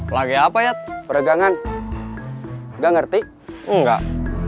lagi apa ya peregangan nggak ngerti enggak